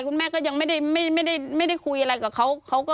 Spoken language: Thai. คุณแม่ก็ยังไม่ได้คุยอะไรกับเขา